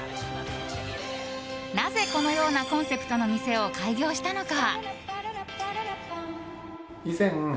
なぜこのようなコンセプトの店を開業したのか。